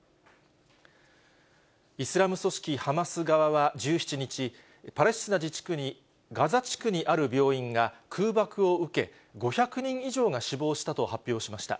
イスラム組織ハマス側は１７日、パレスチナ自治区にガザ地区にある病院が空爆を受け、５００人以上が死亡したと発表しました。